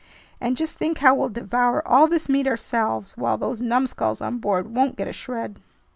And just think how we'll devour all this meat ourselves, while those numbskulls on board won't get a shred!"